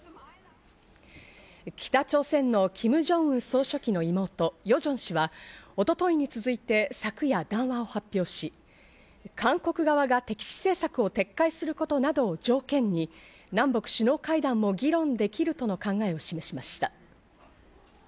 北朝鮮のキム・ジョンウン総書記の妹・ヨジョン氏は一昨日に続いて昨夜談話を発表し、韓国側が敵視政策を撤回することなどを条件に南北首脳会談も議論できるとの考えを示しました。